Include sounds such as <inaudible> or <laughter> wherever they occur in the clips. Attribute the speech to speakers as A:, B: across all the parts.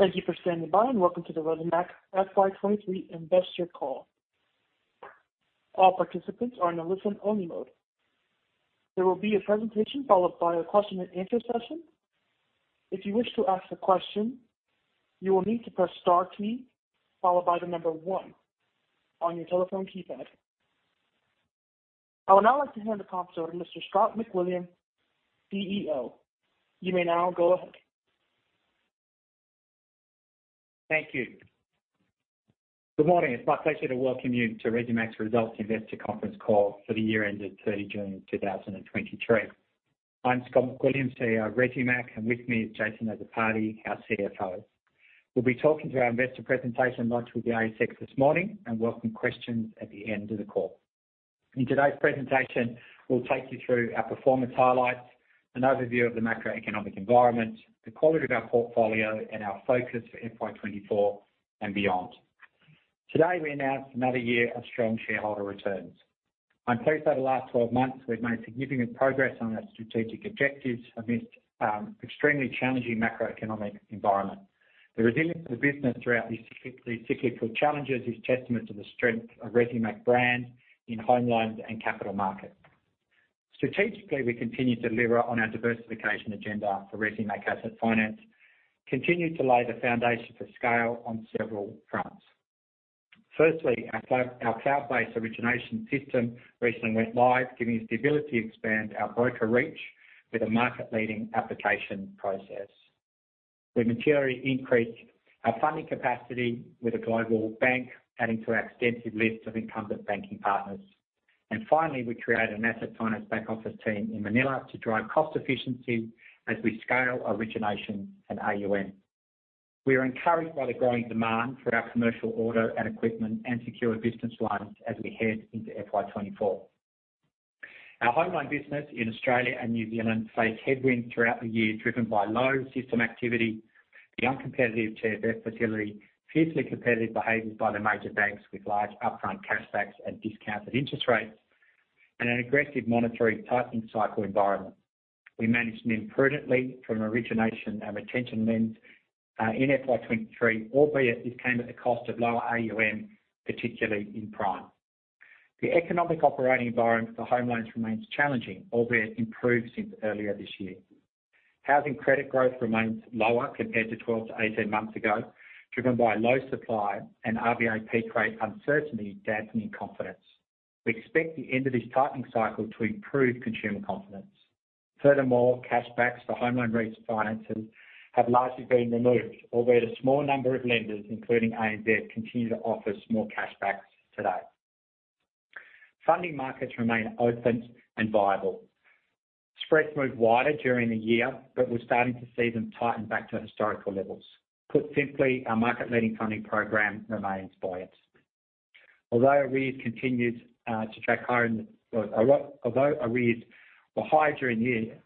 A: Thank you for standing by, and welcome to the Resimac FY 2023 investor call. All participants are in a listen-only mode. There will be a presentation followed by a question-and-answer session. If you wish to ask a question, you will need to press star key, followed by the number one on your telephone keypad. I would now like to hand the conference over to Mr. Scott McWilliam, CEO. You may now go ahead.
B: Thank you. Good morning. It's my pleasure to welcome you to Resimac's Results Investor Conference Call for the year ended 30 June 2023. I'm Scott McWilliam, CEO of Resimac, and with me is Jason Azzopardi, our CFO. We'll be talking to our investor presentation launch with the ASX this morning and welcome questions at the end of the call. In today's presentation, we'll take you through our performance highlights, an overview of the macroeconomic environment, the quality of our portfolio, and our focus for FY 2024 and beyond. Today, we announced another year of strong shareholder returns. I'm pleased that the last 12 months we've made significant progress on our strategic objectives amidst extremely challenging macroeconomic environment. The resilience of the business throughout these cyclical challenges is testament to the strength of Resimac brand in home loans and capital markets. Strategically, we continue to deliver on our diversification agenda for Resimac Asset Finance, continue to lay the foundation for scale on several fronts. Firstly, our cloud-based origination system recently went live, giving us the ability to expand our broker reach with a market-leading application process. We materially increased our funding capacity with a global bank, adding to our extensive list of incumbent banking partners. And finally, we created an asset finance back-office team in Manila to drive cost efficiency as we scale origination and AUM. We are encouraged by the growing demand for our commercial auto and equipment and secured business loans as we head into FY 2024. Our home loan business in Australia and New Zealand faced headwinds throughout the year, driven by low system activity, the uncompetitive TFF facility, fiercely competitive behaviors by the major banks with large upfront cashbacks and discounted interest rates, and an aggressive monetary tightening cycle environment. We managed them prudently from an origination and retention lens in FY 2023, albeit this came at the cost of lower AUM, particularly in Prime. The economic operating environment for home loans remains challenging, albeit improved since earlier this year. Housing credit growth remains lower compared to 12 to 18 months ago, driven by low supply and RBA rate uncertainty, dampening confidence. We expect the end of this tightening cycle to improve consumer confidence. Furthermore, cashbacks for home loan refinancing have largely been removed, albeit a small number of lenders, including ANZ, continue to offer small cashbacks today. Funding markets remain open and viable. Spreads moved wider during the year, but we're starting to see them tighten back to historical levels. Put simply, our market-leading funding program remains buoyant. Although arrears continued to track higher. Although arrears were high during the year,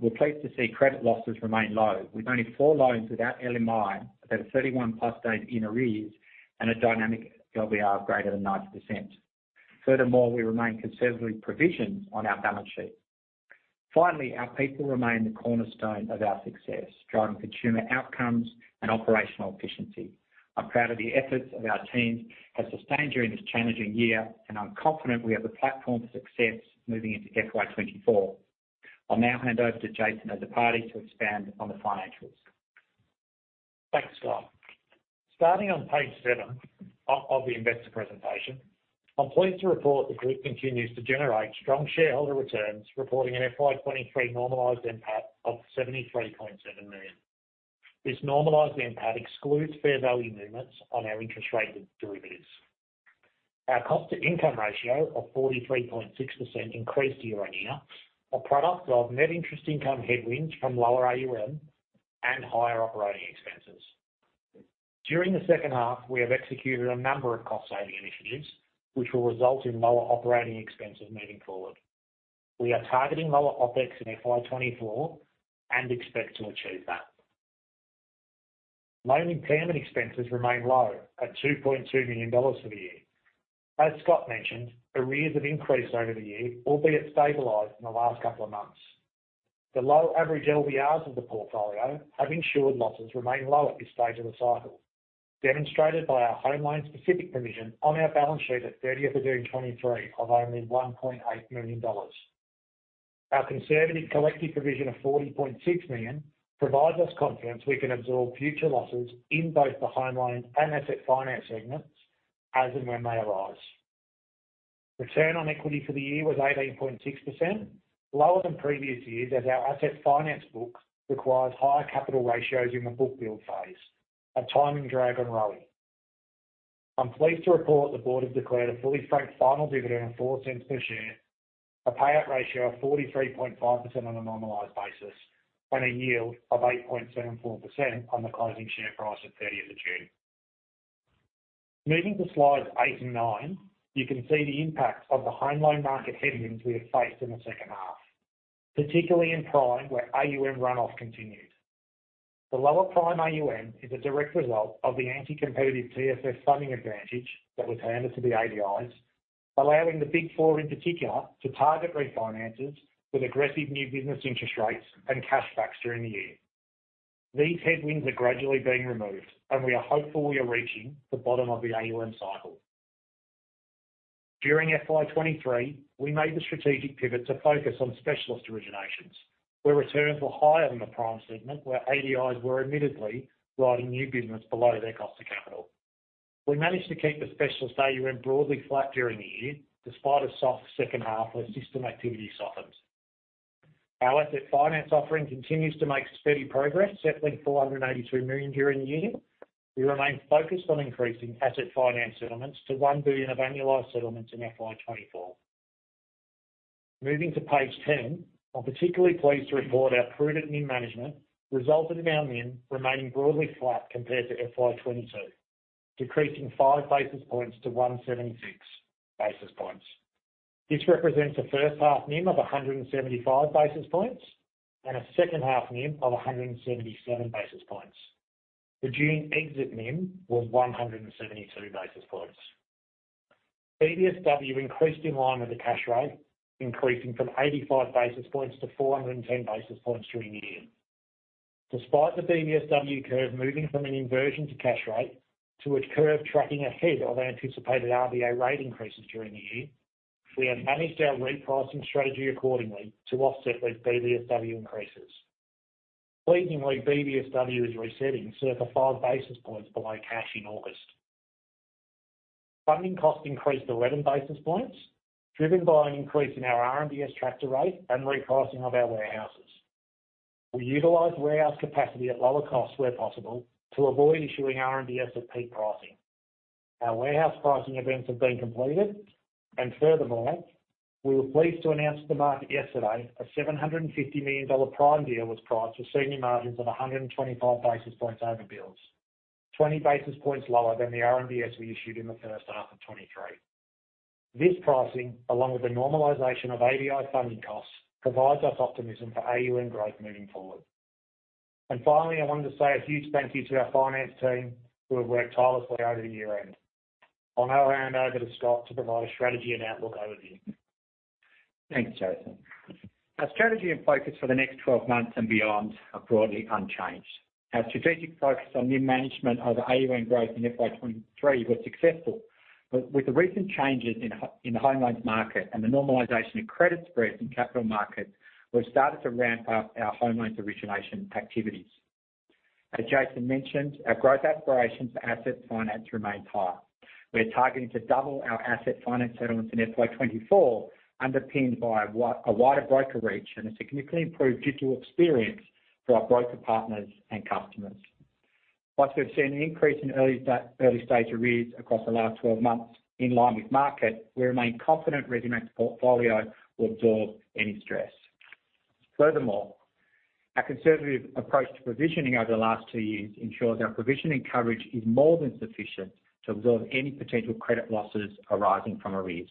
B: we're pleased to see credit losses remain low, with only four loans without LMI about 31 plus days in arrears and a dynamic LVR greater than 90%. Furthermore, we remain conservatively provisioned on our balance sheet. Finally, our people remain the cornerstone of our success, driving consumer outcomes and operational efficiency. I'm proud of the efforts of our teams have sustained during this challenging year, and I'm confident we have the platform for success moving into FY 2024. I'll now hand over to Jason Azzopardi to expand on the financials.
C: Thanks, Scott. Starting on page seven of the investor presentation, I'm pleased to report the group continues to generate strong shareholder returns, reporting an FY 2023 normalized NPAT of 73.7 million. This normalized NPAT excludes fair value movements on our interest rate derivatives. Our cost to income ratio of 43.6% increased year-on-year, a product of net interest income headwinds from lower AUM and higher operating expenses. During the second half, we have executed a number of cost-saving initiatives, which will result in lower operating expenses moving forward. We are targeting lower OpEx in FY 2024 and expect to achieve that. Loan impairment expenses remain low at 2.2 million dollars for the year. As Scott mentioned, arrears have increased over the year, albeit stabilized in the last couple of months. The low average LVRs of the portfolio have ensured losses remain low at this stage of the cycle, demonstrated by our home loan-specific provision on our balance sheet at 30th of June 2023 of only 1.8 million dollars. Our conservative collective provision of 40.6 million provides us confidence we can absorb future losses in both the home loans and asset finance segments as and when they arise. Return on equity for the year was 18.6%, lower than previous years as our asset finance book requires higher capital ratios in the book build phase, a timing drag on ROE. I'm pleased to report the board has declared a fully franked final dividend of 0.04 per share, a payout ratio of 43.5% on a normalized basis, and a yield of 8.74% on the closing share price at 30 June 2023. Moving to slides eight and nine, you can see the impact of the home loan market headwinds we have faced in the second half, particularly in Prime, where AUM runoff continued. The lower Prime AUM is a direct result of the anti-competitive TFF funding advantage that was handed to the ADIs, allowing the big four, in particular, to target refinances with aggressive new business interest rates and cash backs during the year. These headwinds are gradually being removed, and we are hopeful we are reaching the bottom of the AUM cycle. During FY 2023, we made the strategic pivot to focus on specialist originations, where returns were higher than the prime segment, where ADIs were admittedly writing new business below their cost of capital. We managed to keep the specialist AUM broadly flat during the year, despite a soft second half where system activity softens. Our asset finance offering continues to make steady progress, settling 482 million during the year. We remain focused on increasing asset finance settlements to 1 billion of annualized settlements in FY 2024. Moving to page 10, I'm particularly pleased to report our prudent NIM management resulted in our NIM remaining broadly flat compared to FY 2022, decreasing five basis points to 176 basis points. This represents a first half NIM of 175 basis points and a second half NIM of 177 basis points. The June exit NIM was 172 basis points. BBSW increased in line with the cash rate, increasing from 85 basis points to 410 basis points during the year. Despite the BBSW curve moving from an inversion to cash rate, to a curve tracking ahead of anticipated RBA rate increases during the year, we have managed our repricing strategy accordingly to offset these BBSW increases. Pleasingly, BBSW is resetting circa 5 basis points below cash in August. Funding costs increased 11 basis points, driven by an increase in our RMBS tracker rate and repricing of our warehouses. We utilized warehouse capacity at lower costs where possible, to avoid issuing RMBS at peak pricing. Our warehouse pricing events have been completed, and furthermore, we were pleased to announce to the market yesterday a 750 million dollar prime deal was priced with senior margins of 125 basis points over bills, 20 basis points lower than the RMBS we issued in the first half of 2023. This pricing, along with the normalization of ADI funding costs, provides us optimism for AUM growth moving forward. Finally, I wanted to say a huge thank you to our finance team, who have worked tirelessly over the year-end. I'll now hand over to Scott to provide a strategy and outlook overview.
B: Thanks, Jason. Our strategy and focus for the next 12 months and beyond are broadly unchanged. Our strategic focus on NIM management over AUM growth in FY 2023 was successful, but with the recent changes in the, in the home loans market and the normalization of credit spreads in capital markets, we've started to ramp up our home loans origination activities. As Jason mentioned, our growth aspirations for asset finance remain high. We are targeting to double our asset finance settlements in FY 2024, underpinned by a wider broker reach and a significantly improved digital experience for our broker partners and customers. Whilst we've seen an increase in early-stage arrears across the last 12 months in line with market, we remain confident Resimac's portfolio will absorb any stress. Furthermore, our conservative approach to provisioning over the last two years ensures our provisioning coverage is more than sufficient to absorb any potential credit losses arising from arrears.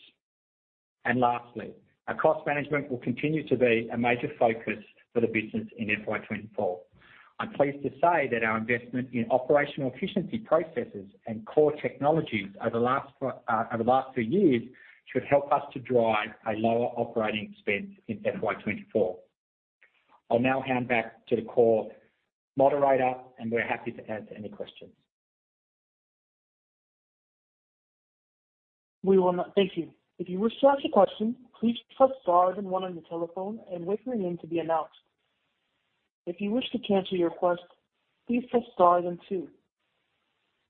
B: And lastly, our cost management will continue to be a major focus for the business in FY 2024. I'm pleased to say that our investment in operational efficiency processes and core technologies over the last two years should help us to drive a lower operating expense in FY 2024. I'll now hand back to the call moderator, and we're happy to answer any questions.
A: We will now... Thank you. If you wish to ask a question, please press star then one on your telephone and wait for your name to be announced. If you wish to cancel your request, please press star then two.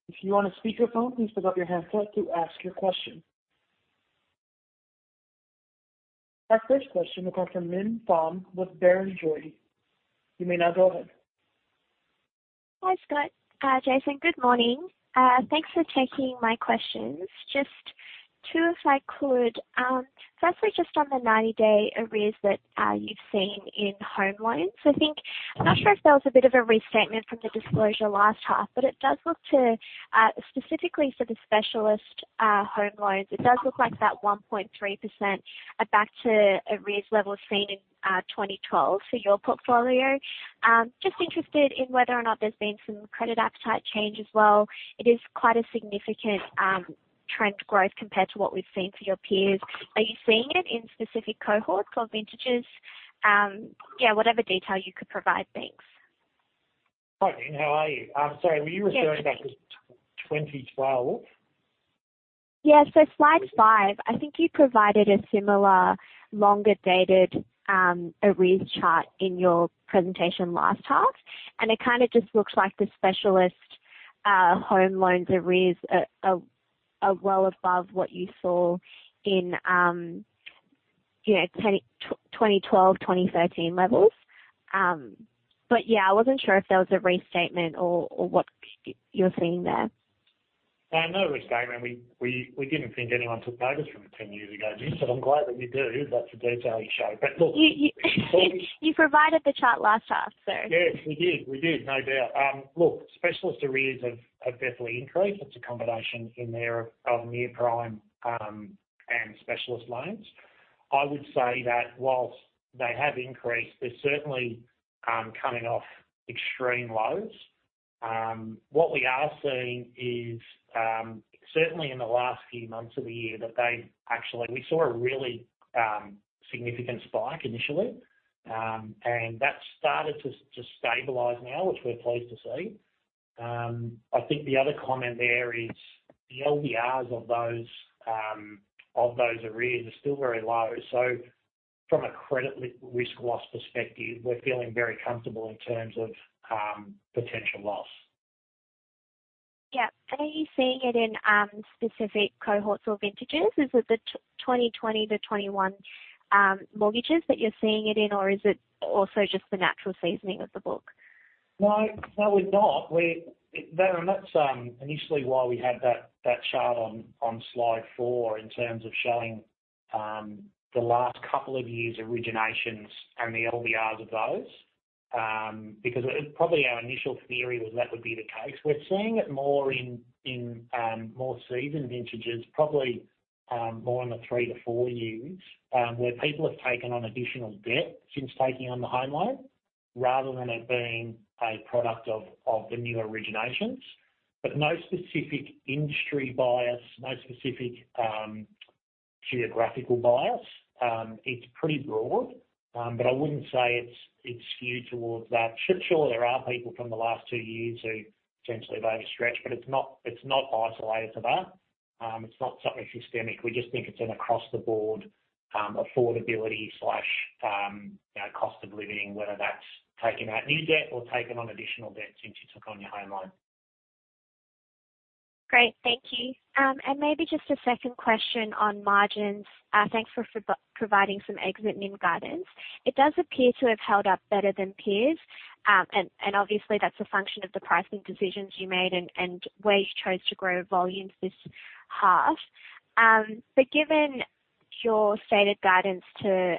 A: If you're on a speakerphone, please pick up your handset to ask your question. Our first question will come from Minh Pham with Barrenjoey. You may now go ahead.
D: Hi, Scott, Jason. Good morning. Thanks for taking my questions. Just two, if I could. Firstly, just on the 90-day arrears that you've seen in home loans, I think... I'm not sure if that was a bit of a restatement from the disclosure last half, but it does look to, specifically for the specialist, home loans, it does look like that 1.3% are back to arrears level seen in, 2012 for your portfolio. Just interested in whether or not there's been some credit appetite change as well. It is quite a significant, trend growth compared to what we've seen for your peers. Are you seeing it in specific cohorts or vintages? Yeah, whatever detail you could provide. Thanks.
C: Hi, Minh. How are you? I'm sorry, were you referring back to 2012?
D: Yeah. So, slide five, I think you provided a similar longer-dated arrears chart in your presentation last half, and it kind of just looks like the specialist home loans arrears are well above what you saw in, you know, 2012, 2013 levels. But yeah, I wasn't sure if that was a restatement or what you're seeing there.
C: No restatement. We didn't think anyone took notice from it ten years ago, Minh, but I'm glad that you do. That's a detail you show, but look... <crosstalk>
D: You provided the chart last half, so.
C: Yes, we did. We did, no doubt. Look, specialist arrears have definitely increased. It's a combination in there of near prime and specialist loans. I would say that while they have increased, they're certainly coming off extreme lows. What we are seeing is certainly in the last few months of the year, that they actually, we saw a really significant spike initially, and that's started to stabilize now, which we're pleased to see. I think the other comment there is the LVRs of those arrears are still very low. So, from a credit risk loss perspective, we're feeling very comfortable in terms of potential loss.
D: Yeah. Are you seeing it in specific cohorts or vintages? Is it the 2020 to 2021 mortgages that you're seeing it in, or is it also just the natural seasoning of the book?
C: No, no, we're not. That and that's initially why we had that, that chart on slide one in terms of showing, the last couple of years' originations and the LVRs of those, because it probably our initial theory was that would be the case. We're seeing it more in, in, more seasoned vintages, probably, more in the three to four years, where people have taken on additional debt since taking on the home loan, rather than it being a product of the new originations. But no specific industry bias, no specific, geographical bias. It's pretty broad, but I wouldn't say it's, it's skewed towards that. Sure, there are people from the last two years who potentially overstretched, but it's not, it's not isolated to that. It's not something systemic. We just think it's an across-the-board, affordability slash, you know, cost of living, whether that's taking out new debt or taking on additional debt since you took on your home loan.
D: Great. Thank you. And maybe just a second question on margins. Thanks for providing some exit NIM guidance. It does appear to have held up better than peers, and obviously that's a function of the pricing decisions you made and where you chose to grow volumes this half. But given your stated guidance to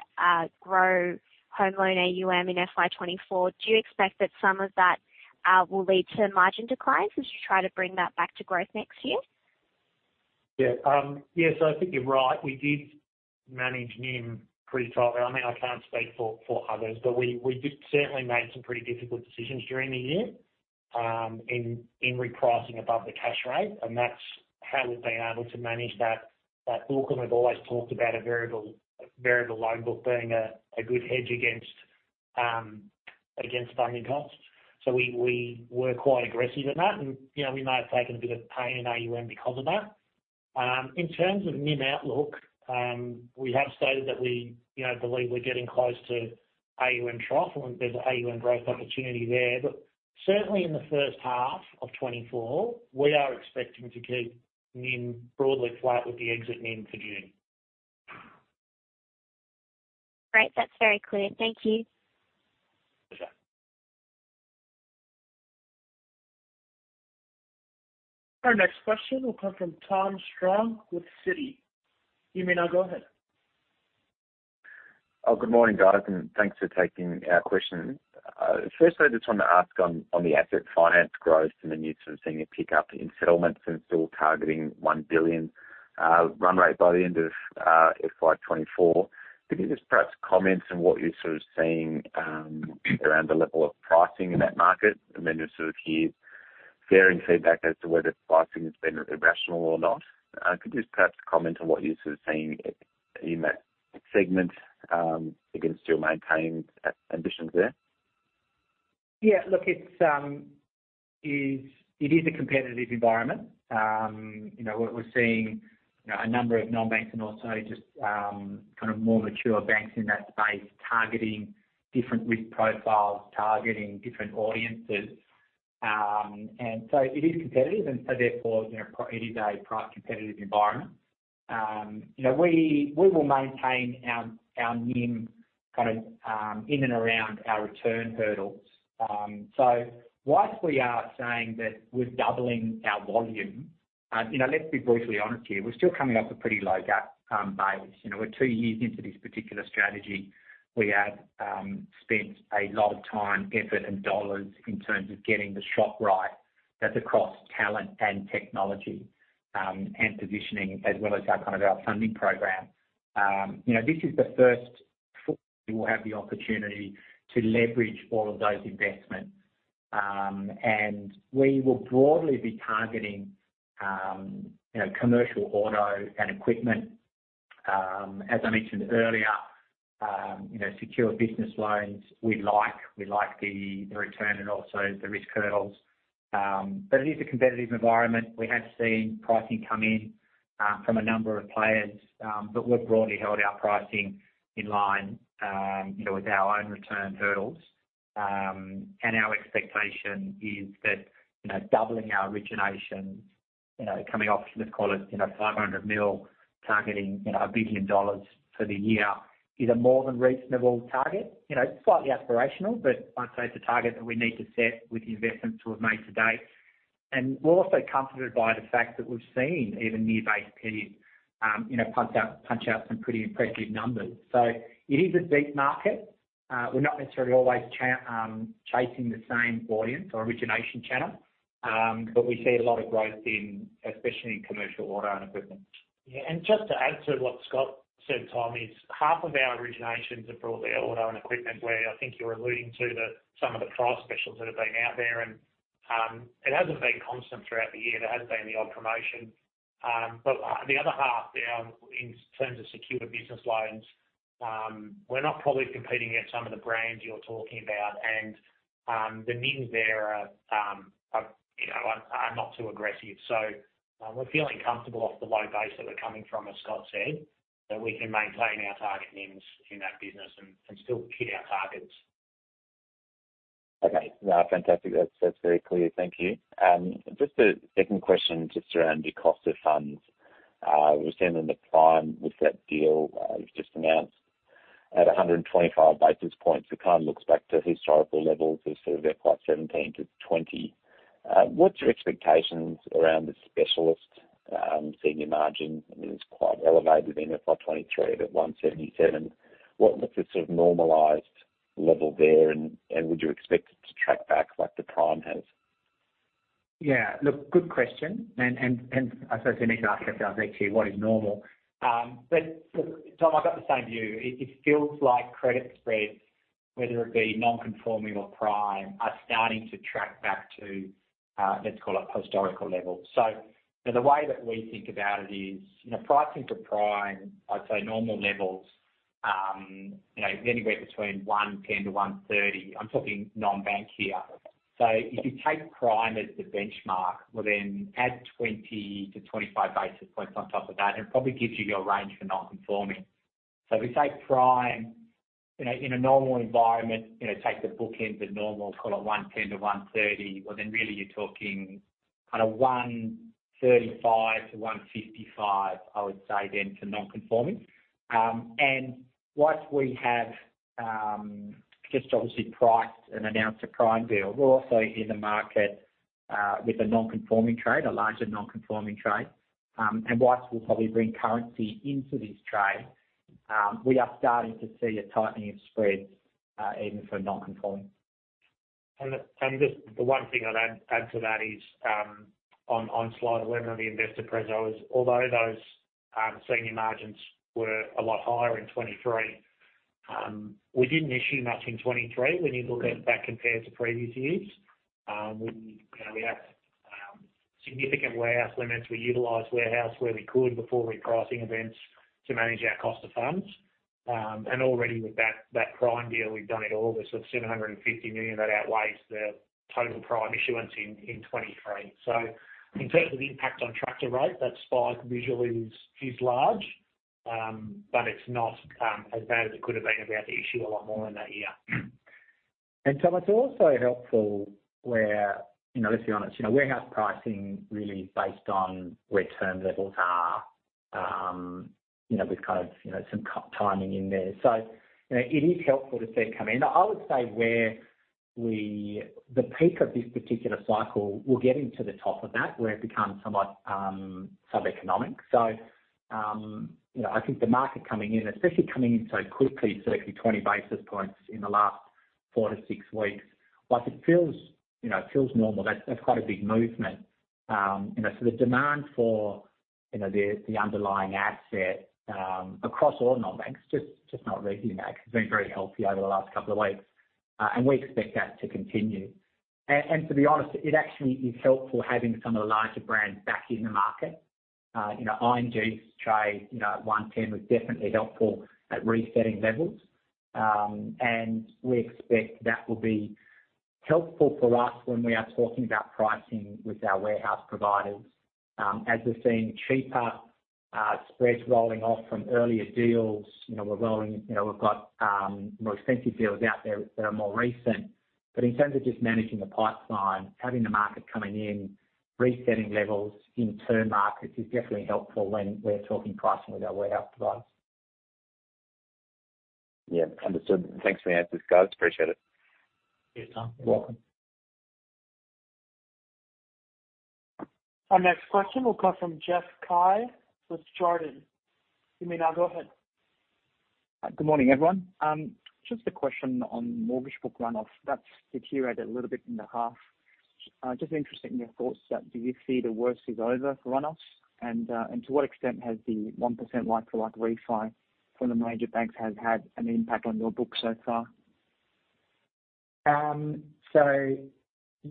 D: grow home loan AUM in FY 2024, do you expect that some of that will lead to margin declines as you try to bring that back to growth next year?
C: Yeah. Yes, I think you're right. We did manage NIM pretty tightly. I mean, I can't speak for others, but we did certainly made some pretty difficult decisions during the year, in repricing above the cash rate, and that's how we've been able to manage that book. And we've always talked about a variable loan book being a good hedge against funding costs. So we were quite aggressive at that and, you know, we may have taken a bit of pain in AUM because of that. In terms of NIM outlook, we have stated that we, you know, believe we're getting close to AUM trough, and there's an AUM growth opportunity there. But certainly, in the first half of 2024, we are expecting to keep NIM broadly flat with the exit NIM for June.
D: Great. That's very clear. Thank you.
C: Pleasure.
A: Our next question will come from Tom Strong with Citi. You may now go ahead.
E: Oh, good morning, guys, and thanks for taking our questions. Firstly, I just wanted to ask on, on the asset finance growth and then you sort of seeing a pickup in settlements and still targeting 1 billion run rate by the end of FY 2024. Could you just perhaps comment on what you're sort of seeing around the level of pricing in that market? And then you sort of hear varying feedback as to whether pricing has been irrational or not. Could you just perhaps comment on what you're sort of seeing in that segment against your maintained ambitions there?
C: Yeah, look, it is a competitive environment. You know, we're seeing, you know, a number of non-banks and also just kind of more mature banks in that space, targeting different risk profiles, targeting different audiences. And so it is competitive, and so therefore, you know, it is a price competitive environment. You know, we will maintain our NIM kind of in and around our return hurdles. So, while we are saying that we're doubling our volume, you know, let's be brutally honest here, we're still coming off a pretty low base. You know, we're two years into this particular strategy. We have spent a lot of time, effort, and dollars in terms of getting the shop right. That's across talent and technology, and positioning, as well as our kind of our funding program. You know, this is the first full we'll have the opportunity to leverage all of those investments. And we will broadly be targeting, you know, commercial, auto, and equipment. As I mentioned earlier, you know, secure business loans, we like. We like the return and also the risk hurdles. But it is a competitive environment. We have seen pricing come in, from a number of players, but we've broadly held our pricing in line, you know, with our own return hurdles. And our expectation is that, you know, doubling our origination, you know, coming off, let's call it, you know, 500 million, targeting, you know, 1 billion dollars for the year is a more than reasonable target. You know, slightly aspirational, but I'd say it's a target that we need to set with the investments we've made to date. And we're also comforted by the fact that we've seen even near base periods, you know, punch out, punch out some pretty impressive numbers. So, it is a deep market. We're not necessarily always chasing the same audience or origination channel. But we see a lot of growth in, especially in commercial auto and equipment. Yeah, and just to add to what Scott said, Tom, half of our originations are broadly auto and equipment, where I think you're alluding to some of the trial specials that have been out there, and it hasn't been constant throughout the year. There has been the odd promotion, but the other half down in terms of secured business loans, we're not probably competing against some of the brands you're talking about, and the NIMs there, you know, are not too aggressive. So, we're feeling comfortable off the low base that we're coming from, as Scott said, that we can maintain our target NIMs in that business and still hit our targets.
E: Okay. Yeah, fantastic. That's, that's very clear. Thank you. Just a second question, just around your cost of funds. We've seen in the prime with that deal you've just announced at 125 basis points. It kind of looks back to historical levels as sort of about 17 to 20. What's your expectations around the specialist senior margin? I mean, it's quite elevated in 2023 at 177. What's the sort of normalized level there, and would you expect it to track back like the prime has?
B: Yeah. Look, good question, and I suppose you need to ask yourself actually what is normal? But look, Tom, I've got the same view. It feels like credit spreads, whether it be non-conforming or prime, are starting to track back to, let's call it post historical levels. So, the way that we think about it is, you know, pricing for prime, I'd say normal levels, you know, anywhere between 110 to 130. I'm talking non-bank here. So, if you take prime as the benchmark, well, then add 20 to 25 basis points on top of that, and it probably gives you your range for non-conforming. So, if we say prime, you know, in a normal environment, you know, take the bookends as normal, call it 110 to 130, well, then really, you're talking kind of 135 to 155, I would say then to non-conforming. And once we have just obviously priced and announced a prime deal, we're also in the market with a non-conforming trade, a larger non-conforming trade, and once we'll probably bring currency into this trade, we are starting to see a tightening of spreads, even for non-conforming.
C: Just the one thing I'd add to that is, on slide 11 of the investor preso, although those senior margins were a lot higher in 2023, we didn't issue much in 2023. When you look at that compared to previous years, you know, we had significant warehouse limits. We utilized warehouse where we could before repricing events to manage our cost of funds. And already with that prime deal we've done in August, of 750 million, that outweighs the total prime issuance in 2023. So, in terms of the impact on tracker rate, that spike visually is large, but it's not as bad as it could have been if we had to issue a lot more in that year.
B: And Tom, it's also helpful where, you know, let's be honest, you know, warehouse pricing really is based on where term levels are, you know, with kind of, you know, some cut timing in there. So, you know, it is helpful to see it come in. I would say where we—the peak of this particular cycle, we're getting to the top of that, where it becomes somewhat sub-economic. So, you know, I think the market coming in, especially coming in so quickly, certainly 20 basis points in the last four to six weeks, whilst it feels, you know, feels normal, that's, that's quite a big movement. You know, so the demand for, you know, the, the underlying asset, across all non-banks, just, just not really, you know, it's been very healthy over the last couple of weeks, and we expect that to continue. To be honest, it actually is helpful having some of the larger brands back in the market. You know, ING's trade, you know, at 110, was definitely helpful at resetting levels. And we expect that will be helpful for us when we are talking about pricing with our warehouse providers. As we're seeing cheaper spreads rolling off from earlier deals, you know, we're rolling, you know, we've got more expensive deals out there that are more recent. But in terms of just managing the pipeline, having the market coming in, resetting levels in term markets is definitely helpful when we're talking pricing with our warehouse providers.
E: Yeah. Understood. Thanks for the answers, guys. Appreciate it.
C: Yeah, Tom.
B: You're welcome.
A: Our next question will come from Jeff Cai with Jarden. You may now go ahead.
F: Good morning, everyone. Just a question on mortgage book runoffs. That's deteriorated a little bit in the half. Just interested in your thoughts, that do you see the worst is over for runoffs? And to what extent has the 1% like-for-like refi from the major banks has had an impact on your book so far?
B: So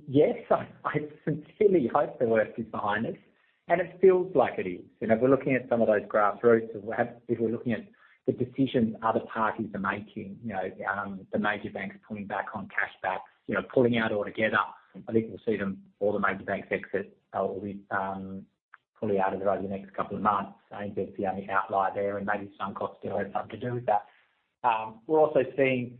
B: yes, I sincerely hope the worst is behind us, and it feels like it is. You know, we're looking at some of those grassroots, and if we're looking at the decisions other parties are making, you know, the major banks pulling back on cashback, you know, pulling out altogether. I think we'll see them, all the major banks exit, will be fully out of it over the next couple of months. I think the only outlier there, and maybe Suncorp still has something to do with that. We're also seeing,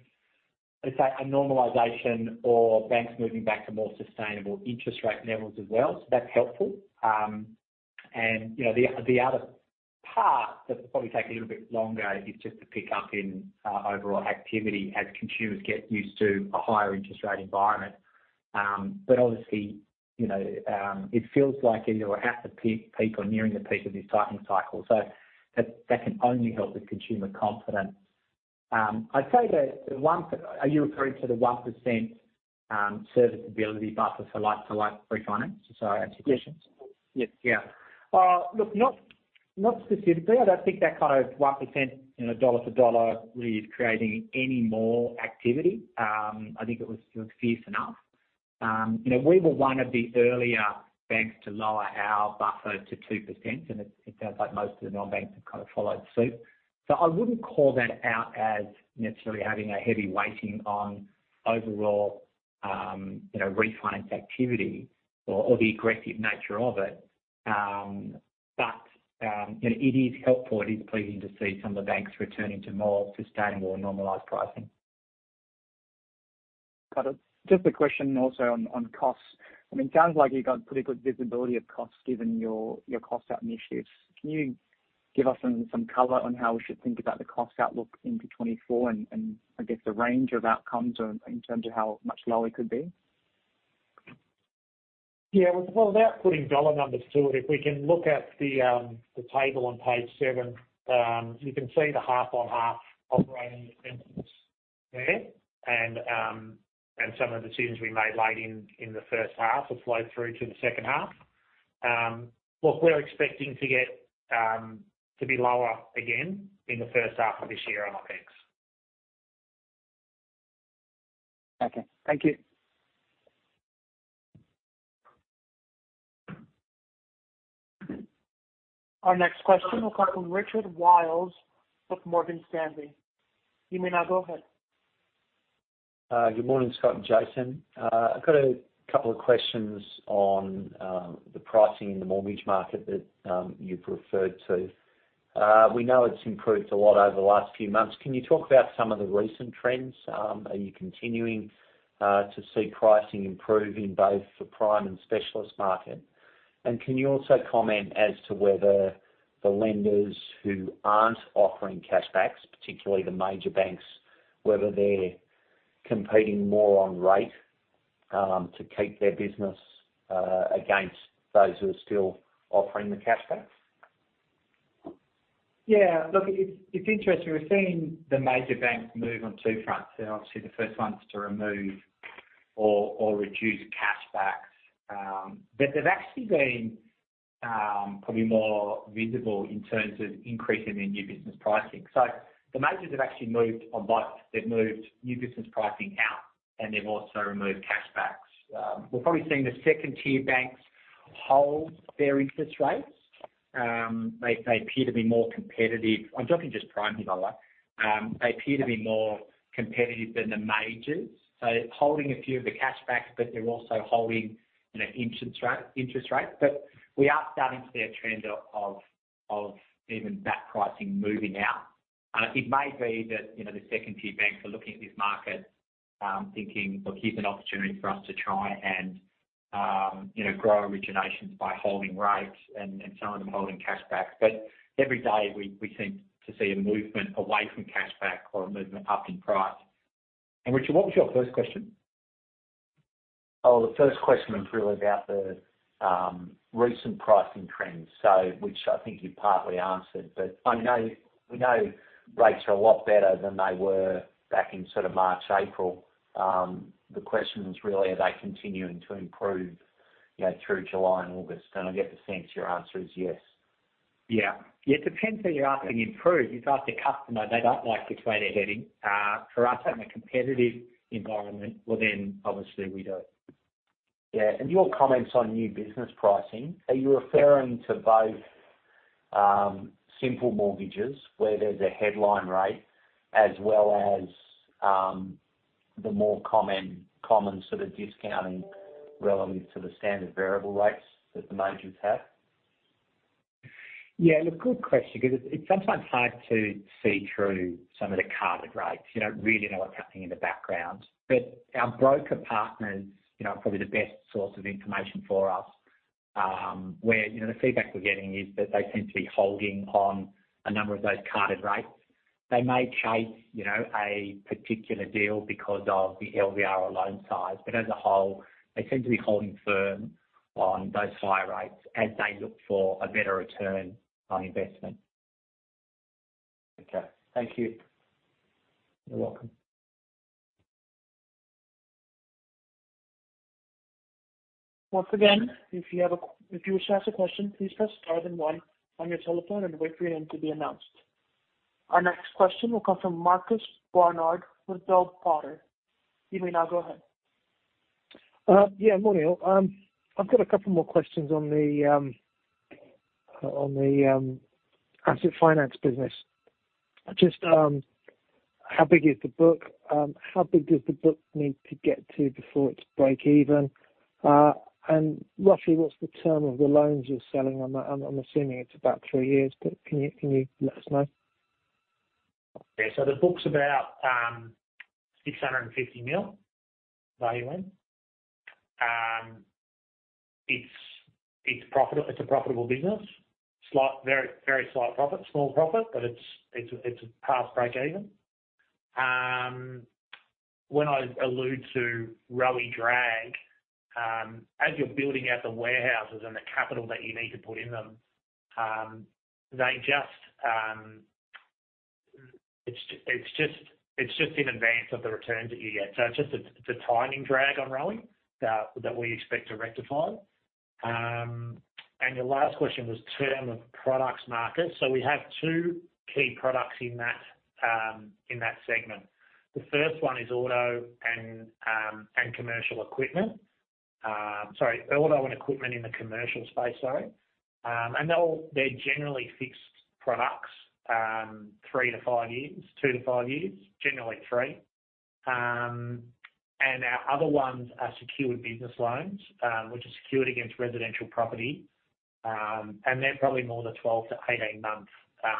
B: in fact, a normalization or banks moving back to more sustainable interest rate levels as well. So that's helpful. And you know, the other part that will probably take a little bit longer is just the pickup in overall activity as consumers get used to a higher interest rate environment. But obviously, you know, it feels like either we're at the peak, peak or nearing the peak of this tightening cycle. So that, that can only help with consumer confidence. I'd say that the one, are you referring to the 1% serviceability buffer for like-for-like refinance? Sorry, originations.
F: Yes. Yes.
B: Yeah. Look, not, not specifically. I don't think that kind of 1%, you know, dollar for dollar really is creating any more activity. I think it was fierce enough. You know, we were one of the earlier banks to lower our buffer to 2%, and it sounds like most of the non-banks have kind of followed suit. So I wouldn't call that out as necessarily having a heavy weighting on overall, you know, refinance activity or the aggressive nature of it. But, you know, it is helpful. It is pleasing to see some of the banks returning to more sustainable and normalized pricing.
F: Got it. Just a question also on costs. I mean, it sounds like you've got pretty good visibility of costs given your cost out initiatives. Can you give us some color on how we should think about the cost outlook into 2024 and I guess, the range of outcomes in terms of how much lower it could be?
B: Yeah, well, without putting dollar numbers to it, if we can look at the table on page seven, you can see the half-on-half operating expenses there and some of the decisions we made late in the first half will flow through to the second half. Look, we're expecting to get to be lower again in the first half of this year on OpEx.
F: Okay, thank you.
A: Our next question will come from Richard Wiles with Morgan Stanley. You may now go ahead.
G: Good morning, Scott and Jason. I've got a couple of questions on the pricing in the mortgage market that you've referred to. We know it's improved a lot over the last few months. Can you talk about some of the recent trends? Are you continuing to see pricing improve in both the prime and specialist market? And can you also comment as to whether the lenders who aren't offering cash backs, particularly the major banks, whether they're competing more on rate to keep their business against those who are still offering the cash backs?
B: Yeah, look, it's interesting. We're seeing the major banks move on two fronts. Obviously, the first one is to remove or reduce cashbacks, but they've actually been probably more visible in terms of increasing their new business pricing. So the majors have actually moved on both. They've moved new business pricing out, and they've also removed cashbacks. We're probably seeing the second-tier banks hold their interest rates. They appear to be more competitive. I'm talking just prime here, Wiles. They appear to be more competitive than the majors, so holding a few of the cashbacks, but they're also holding, you know, interest rates. But we are starting to see a trend of even that pricing moving out. And it may be that, you know, the second-tier banks are looking at this market, thinking, "Look, here's an opportunity for us to try and, you know, grow originations by holding rates and some of them holding cash backs." But every day, we seem to see a movement away from cash back or a movement up in price. And Richard, what was your first question?
G: Oh, the first question was really about the recent pricing trends, so which I think you partly answered, but I know, we know rates are a lot better than they were back in sort of March, April. The question was really: Are they continuing to improve, you know, through July and August? And I get the sense your answer is yes.
B: Yeah. It depends how you're asking improve. You ask a customer, they don't like which way they're heading. For us, in a competitive environment, well, then, obviously, we do.
G: Yeah, and your comments on new business pricing, are you referring to both, simple mortgages, where there's a headline rate, as well as, the more common sort of discounting relevant to the standard variable rates that the majors have?
B: Yeah, look, good question because it's sometimes hard to see through some of the carded rates. You don't really know what's happening in the background, but our broker partners, you know, are probably the best source of information for us, where, you know, the feedback we're getting is that they seem to be holding on a number of those carded rates. They may chase, you know, a particular deal because of the LVR or loan size, but as a whole, they seem to be holding firm on those higher rates as they look for a better return on investment.
G: Okay, thank you.
B: You're welcome.
A: Once again, if you have a question, if you wish to ask a question, please press star then one on your telephone and wait for your name to be announced. Our next question will come from Marcus Barnard with Bell Potter. You may now go ahead.
H: Yeah, morning, all. I've got a couple more questions on the asset finance business. Just, how big is the book? How big does the book need to get to before it's break even? And roughly, what's the term of the loans you're selling? I'm assuming it's about three years, but can you let us know?
C: Yeah. So, the book's about 650 million value in. It's profitable, it's a profitable business. Slight, very, very slight profit, small profit, but it's past break even when I allude to ROE drag, as you're building out the warehouses and the capital that you need to put in them, they just, it's just in advance of the returns that you get. So, it's just a, it's a timing drag on ROE that we expect to rectify. Your last question was term of products market. So, we have two key products in that, in that segment. The first one is auto and, and commercial equipment. Sorry, auto and equipment in the commercial space, sorry. And they're all, they're generally fixed products, three to five years, two to five years, generally three. Our other ones are secured business loans, which are secured against residential property, and they're probably more the 12 t18 months,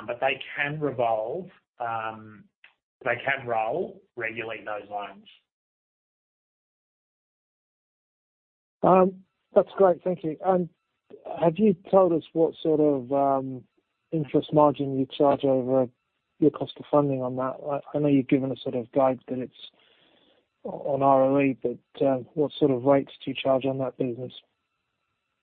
C: but they can revolve, they can roll regularly, those loans.
H: That's great. Thank you. Have you told us what sort of interest margin you charge over your cost of funding on that? I know you've given a sort of guide that it's on ROE, but what sort of rates do you charge on that business?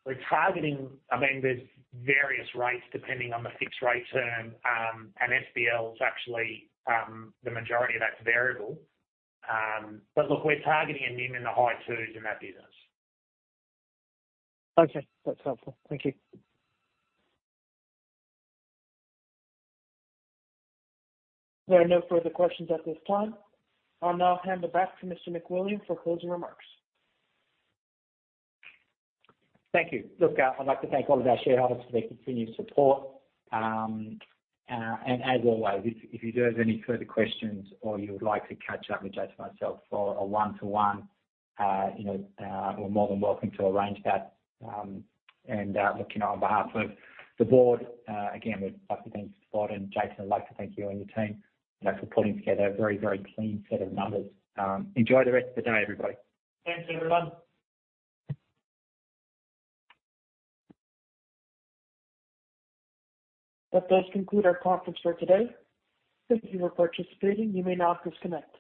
C: We're targeting... I mean, there's various rates depending on the fixed rate term, and SBL is actually, the majority of that's variable. But look, we're targeting a NIM in the high twos in that business.
H: Okay, that's helpful. Thank you.
A: There are no further questions at this time. I'll now hand it back to Mr. McWilliam for closing remarks.
B: Thank you. Look, I'd like to thank all of our shareholders for their continued support. As always, if you do have any further questions or you would like to catch up with Jason or myself for a one-to-one, you know, we're more than welcome to arrange that. Look, you know, on behalf of the board, again, we'd like to thank Scott and Jason. I'd like to thank you and your team, you know, for putting together a very, very clean set of numbers. Enjoy the rest of the day, everybody.
C: Thanks, everyone.
A: That does conclude our conference for today. Thank you for participating. You may now disconnect.